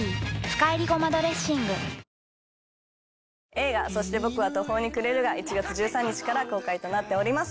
映画『そして僕は途方に暮れる』が１月１３日から公開となっております。